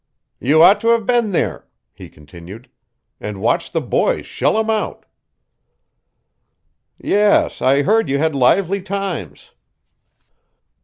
"You ought to have been there," he continued, "and watched the boys shell 'em out!" "Yes, I heard you had lively times."